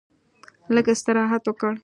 لږ استراحت وکړ.